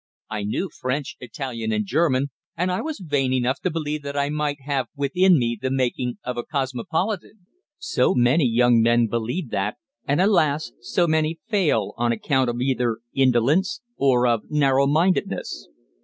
I knew French, Italian and German, and I was vain enough to believe that I might have within me the making of a cosmopolitan. So many young men believe that and, alas! so many fail on account of either indolence, or of narrow mindedness.